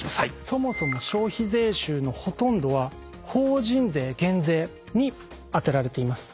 そもそも消費税収のほとんどは法人税減税に充てられています。